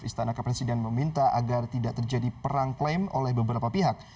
istana kepresiden meminta agar tidak terjadi perang klaim oleh beberapa pihak